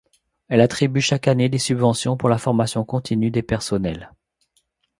Elle attribue chaque année des subventions pour la formation continue des personnels.